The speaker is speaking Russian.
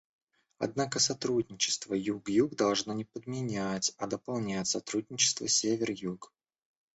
Однако сотрудничество Юг-Юг должно не подменять, а дополнять сотрудничество Север-Юг.